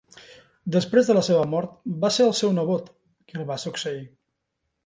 Després de la seva mort, va ser el seu nebot, qui el va succeir.